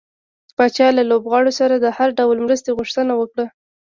پاچا له لوبغاړو سره د هر ډول مرستې غوښتنه وکړه .